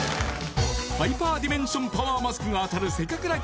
ハイパーディメンションパワーマスクが当たるせかくら